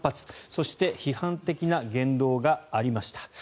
そして批判的な言動がありました。